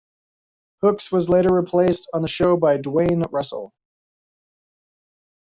Hookes was later replaced on the show by Dwayne Russell.